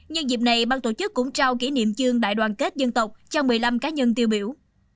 nhân dịp này ban tổ chức cũng trao kỷ niệm chương đại đoàn kết dân tộc cho một mươi năm cá nhân tiêu biểu